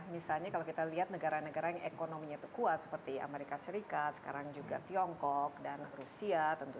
misalnya kalau kita lihat negara negara yang ekonominya itu kuat seperti amerika serikat sekarang juga tiongkok dan rusia